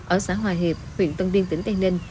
ở xã hòa hiệp huyện tân biên tỉnh tây ninh